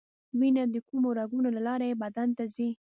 وینه د کومو رګونو له لارې بدن ته ځي